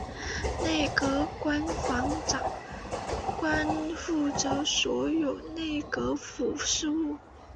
内阁官房长官负责所有内阁府事务。